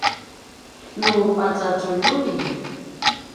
nu pazazuljuin